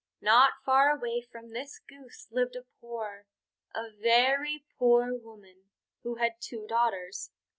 Not far away from this Goose lived a poor, a very poor woman, who had two daughters.